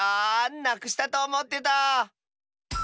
なくしたとおもってた。